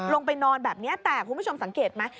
ลงไปนอนแบบนี้แต่คุณผู้ชมสังเกตไหม